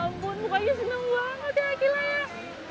ya ampun bukanya senang banget ya akilah ya